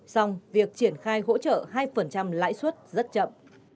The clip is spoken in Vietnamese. xong việc triển khai hỗ trợ hai lãi suất rất chậm